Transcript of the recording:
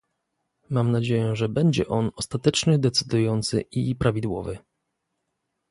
Mam nadzieję, że będzie on ostateczny, decydujący i prawidłowy